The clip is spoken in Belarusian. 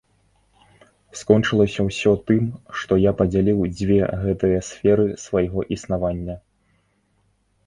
Скончылася ўсё тым, што я падзяліў дзве гэтыя сферы свайго існавання.